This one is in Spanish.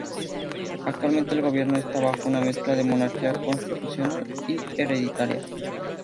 Actualmente el gobierno está bajo una mezcla de monarquía constitucional y hereditaria.